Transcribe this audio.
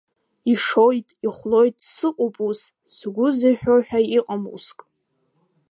Ишоит, ихәлоит, сыҟоуп ус, сгәы зыҳәо ҳәа иҟам уск.